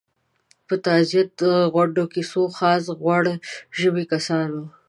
په تعزیتي غونډو کې څو خاص غوړ ژبي کسان وو.